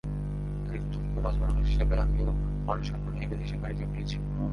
একজন স্বপ্নবাজ মানুষ হিসেবে আমিও অনেক স্বপ্ন নিয়ে বিদেশে পাড়ি জমিয়েছি।